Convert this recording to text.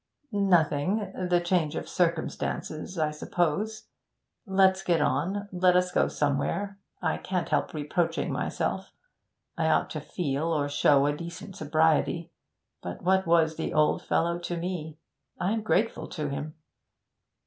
'Nothing the change of circumstances, I suppose. Let's get on. Let us go somewhere I can't help reproaching myself; I ought to feel or show a decent sobriety; but what was the old fellow to me? I'm grateful to him.'